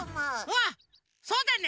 あっそうだね！